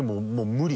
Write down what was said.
無理？